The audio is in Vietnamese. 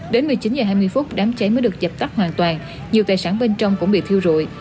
đến một mươi chín h hai mươi phút đám cháy mới được dập tắt hoàn toàn nhiều tài sản bên trong cũng bị thiêu rụi